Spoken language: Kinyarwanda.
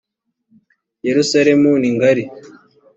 yerusalemu ningari.